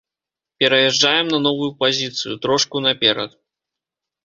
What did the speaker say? Пераязджаем на новую пазіцыю, трошку наперад.